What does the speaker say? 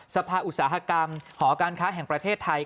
สภาอุตสาหกรรมหอการค้าแห่งประเทศไทย